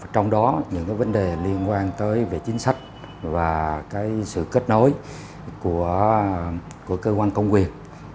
trong đó những vấn đề liên quan tới về chính sách và sự kết nối của cơ quan công quyền